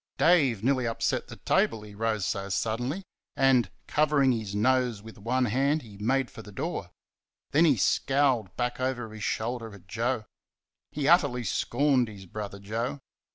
Dave nearly upset the table, he rose so suddenly; and covering his nose with one hand he made for the door; then he scowled back over his shoulder at Joe. He utterly scorned his brother Joe.